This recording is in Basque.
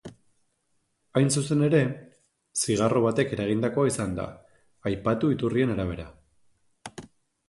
Hain zuzen ere, zigarro batek eragindakoa izan da, aipatu iturrien arabea.